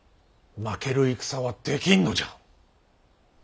負ける戦はできんのじゃ。